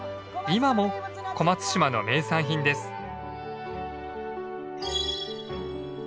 今も小松島の名産品です。